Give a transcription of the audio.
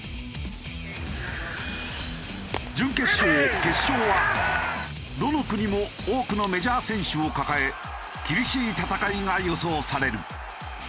準決勝決勝はどの国も多くのメジャー選手を抱え厳しい戦いが予想される。